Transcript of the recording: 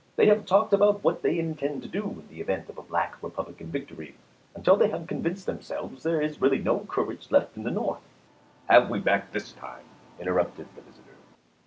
They have talked about what they intend to do, in the event of a Black Repub lican victory, until they have convinced themselves there is really no courage left in the North." " Have we backed this time ?" interrupted the visitor.